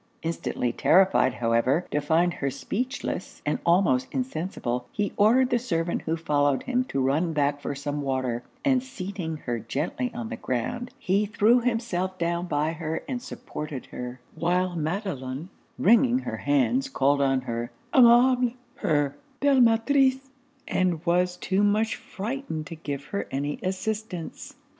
Instantly terrified, however, to find her speechless and almost insensible, he ordered the servant who followed him to run back for some water; and seating her gently on the ground, he threw himself down by her and supported her; while Madelon, wringing her hands called on her aimable, her belle maitresse; and was too much frightened to give her any assistance.